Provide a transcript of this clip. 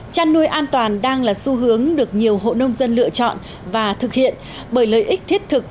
chăn nuôi an toàn đang là xu hướng được nhiều hộ nông dân lựa chọn và thực hiện bởi lợi ích thiết thực